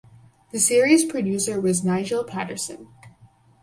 The series producer was Nigel Paterson.